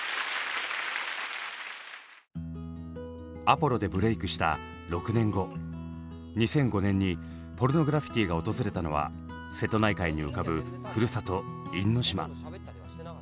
「アポロ」でブレークした６年後２００５年にポルノグラフィティが訪れたのは瀬戸内海に浮かぶふるさと因島。